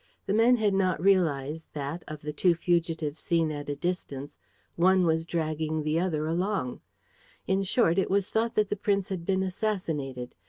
The men had not realized that, of the two fugitives seen at a distance, one was dragging the other along. In short, it was thought that the prince had been assassinated.